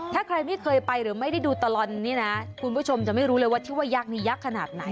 ถ้าใครไม่เคยไปหรือไม่ได้ดูตลอดนี่นะคุณผู้ชมจะไม่รู้เลยว่าที่ว่ายักษ์นี้ยักษ์ขนาดไหน